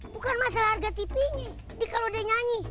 bukan masa harga tipi decalode nyanyi